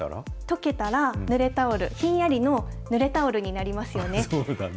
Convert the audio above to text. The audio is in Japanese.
とけたら、ぬれタオル、ひんやりのぬれタオルになりますよね。